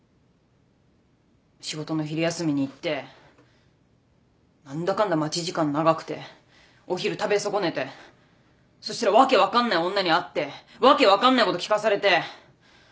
仕事の昼休みに行って何だかんだ待ち時間長くてお昼食べ損ねてそしたら訳分かんない女に会って訳分かんないこと聞かされて。